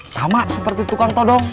sama seperti tukang todong